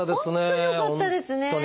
本当によかったですね。